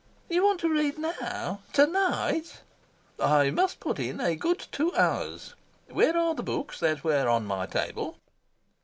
"You want to read NOW TO NIGHT?" "I must put in a good two hours. Where are the books that were on my table?"